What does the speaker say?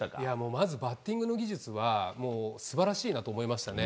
まずバッティングの技術は、もうすばらしいなと思いましたね。